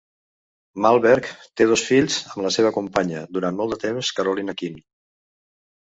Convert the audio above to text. Mellberg té dos fills amb la seva companya durant molt temps Carolina Kihl.